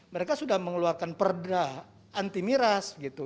mereka sudah mengeluarkan perda anti miras gitu